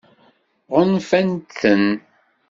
Ɣunfant-ten?